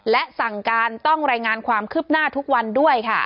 และสั่งการต้องรายงานความคืบหน้าทุกวันด้วยค่ะ